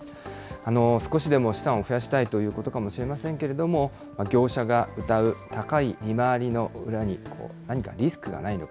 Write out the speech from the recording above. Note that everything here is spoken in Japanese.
少しでも資産を増やしたいということかもしれませんけれども、業者がうたう高い利回りの裏に何かリスクがないのか。